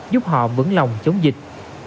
giúp họ vững lòng chống dịch